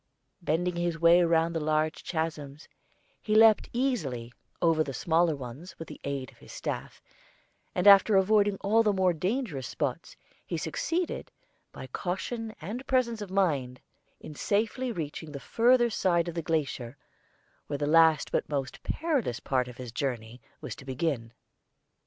Bending his way round the large chasms, he leaped easily over the smaller ones with the aid of his staff; and after avoiding all the more dangerous spots, he succeeded, by caution and presence of mind, in safely reaching the further side of the glacier, where the last but most perilous part of his journey was to begin.